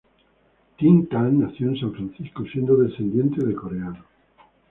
Tim Kang nació en San Francisco, siendo descendiente de coreanos.